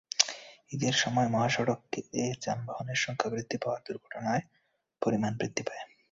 ঈদের সময় মহাসড়কে যানবাহনের সংখ্যা বৃদ্ধি পাওয়ায় দুর্ঘটনার পরিমাণ বৃদ্ধি পায়।